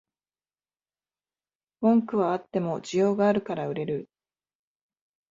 文句はあっても需要があるから売れる